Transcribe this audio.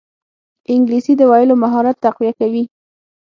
انګلیسي د ویلو مهارت تقویه کوي